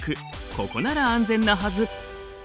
ここなら安全なはず。